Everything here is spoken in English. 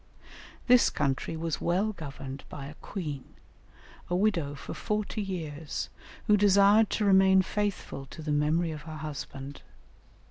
This country was well governed by a queen, a widow for forty years, who desired to remain faithful to the memory of her husband.